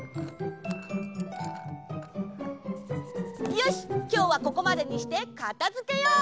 よしきょうはここまでにしてかたづけよう！